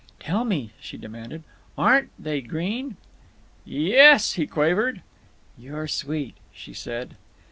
"Tell me," she demanded; "aren't they green?" "Yes," he quavered. "You're sweet," she said.